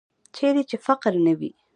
چیرې چې فقر نه وي.